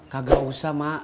kagak usah mak